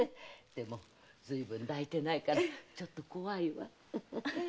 でもずいぶん抱いてないからちょっと怖いわ。